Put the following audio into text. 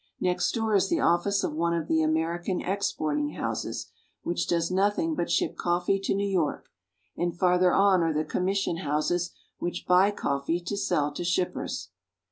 Next door is the office of one of the American exporting houses, which does nothing but ship coffee to New York, and farther on are the commission houses which buy coffee to sell to shippers.